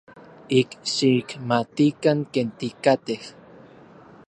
Ik xikmatikan ken tikatej.